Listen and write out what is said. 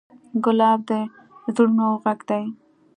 ګلاب د زړونو غږ دی.